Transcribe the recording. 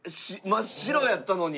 真っ白やったのに。